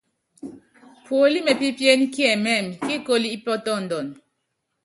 Puólí mépípiéne kiɛmɛ́mɛ, kíikólo ípɔ́tɔndɔnɔ.